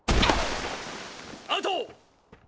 アウト！